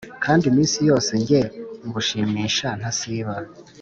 Kandi iminsi yose njye ngushimisha ntasiba